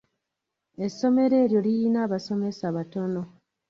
Essomero eryo liyina abasomesa batono.